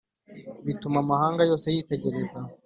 Bituma amahanga yose yitegereza